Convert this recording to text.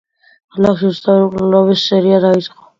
ქალაქში უცნაური მკვლელობების სერია დაიწყო.